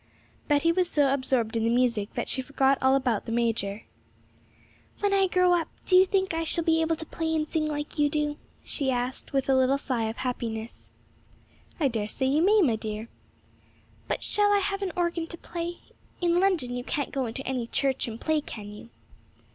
Betty was so absorbed in the music that she forgot all about the major. 'When I grow up, do you think I shall be able to play and sing like you do?' she asked, with a little sigh of happiness. 'I dare say you may, dear.' 'But shall I have an organ to play? In London you can't go into any church and play, can you?'